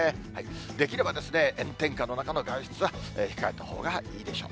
できれば、炎天下の中の外出は控えたほうがいいでしょう。